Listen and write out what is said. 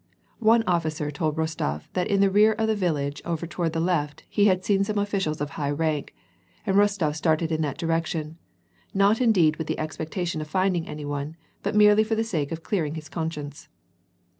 One officer told Kostof that in the rear of a village over toward the left, he had seen some officials of high rank, and Rostof started in that direction, not indeed with the expecta tion of finding any one^ but merely for the sake of clearing lus conscience.